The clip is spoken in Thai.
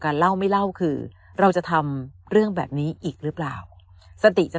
เล่าไม่เล่าคือเราจะทำเรื่องแบบนี้อีกหรือเปล่าสติจะ